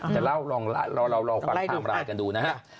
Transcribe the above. จะเล่าลองรอความความรายกันดูนะฮะ